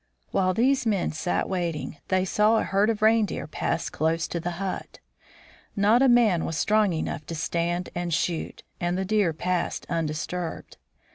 While these men sat waiting, they saw a herd of reindeer pass close to the hut. Not a man was strong enough to stand and shoot, and the deer passed undisturbed.